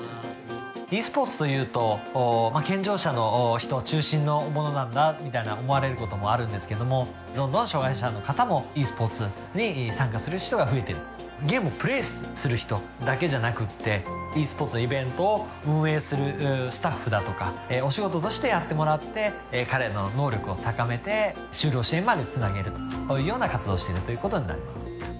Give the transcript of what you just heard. ｅスポーツというと健常者の人中心のものなんだみたいな思われることあるんですけどもどんどん障がい者の方もｅスポーツに参加する人が増えてるゲームをプレイする人だけじゃなくってｅスポーツのイベントを運営するスタッフだとかお仕事としてやってもらって彼らの能力を高めて就労支援までつなげるというような活動をしているということになります